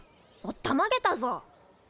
おったまげたぞ。